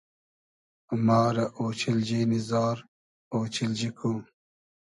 ما رۂ اۉچیلنی نی زار ، اۉچیلجی کو